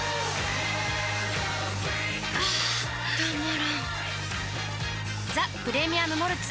あたまらんっ「ザ・プレミアム・モルツ」